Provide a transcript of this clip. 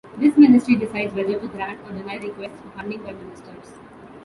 This ministry decides whether to grant or deny requests for funding by ministers.